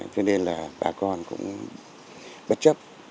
cho nên là bà con cũng bất chấp